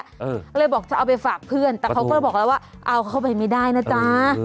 ก็เลยบอกจะเอาไปฝากเพื่อนแต่เขาก็เลยบอกแล้วว่าเอาเข้าไปไม่ได้นะจ๊ะ